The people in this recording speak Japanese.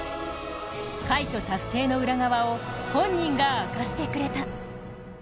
快挙達成の裏側を本人が明かしてくれた。